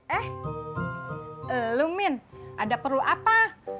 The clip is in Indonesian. eh lumin ada perlu apa